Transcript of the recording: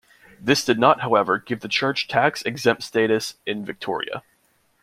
This did not, however, give the Church tax exempt status in Victoria.